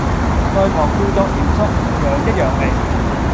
在旁故作嚴肅，揚一揚眉